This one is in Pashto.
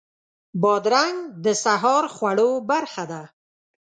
بادرنګ د سهار خوړو برخه ده.